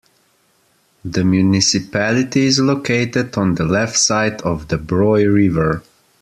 The municipality is located on the left side of the Broye river.